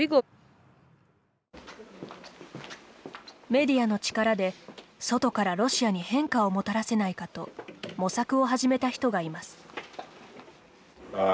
メディアの力で、外からロシアに変化をもたらせないかと模索を始めた人がいます。